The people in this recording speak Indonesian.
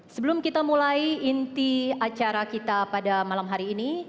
sebelum kita mulai inti acara kita pada malam hari ini